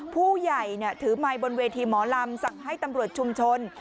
ผู้ใหญ่ถือไมค์บนเวทีหมอลำสั่งให้ตำรวจชุมชน